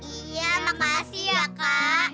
iya makasih ya kak